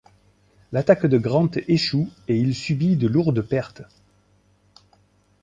L'attaque de Grant échoue et il subit de lourdes pertes.